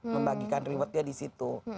membagikan rewardnya di situ